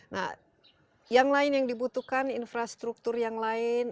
nah yang lain yang dibutuhkan infrastruktur yang lain